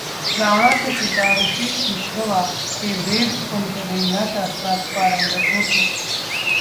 रावणाचे पिता ऋषी विश्रवा हे वेद, उपनिषदे ह्या शास्त्रांत पारंगत होते.